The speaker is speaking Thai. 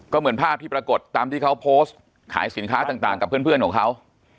ก็เหมือนภาพที่ปรากฏตามที่เขาโพสต์ขายสินค้าต่างกับเพื่อนของเขา